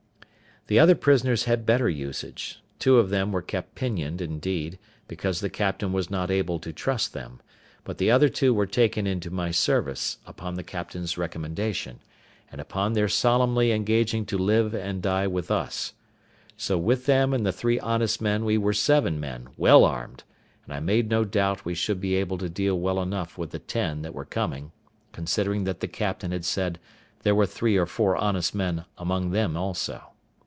The other prisoners had better usage; two of them were kept pinioned, indeed, because the captain was not able to trust them; but the other two were taken into my service, upon the captain's recommendation, and upon their solemnly engaging to live and die with us; so with them and the three honest men we were seven men, well armed; and I made no doubt we should be able to deal well enough with the ten that were coming, considering that the captain had said there were three or four honest men among them also.